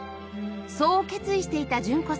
そう決意していた純子さん